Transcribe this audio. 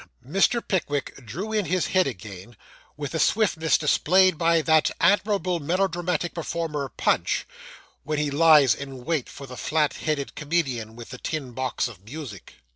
Mr. Pickwick drew in his head again, with the swiftness displayed by that admirable melodramatic performer, Punch, when he lies in wait for the flat headed comedian with the tin box of music.